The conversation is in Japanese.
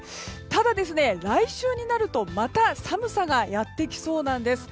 ただ、来週になるとまた寒さがやってきそうなんです。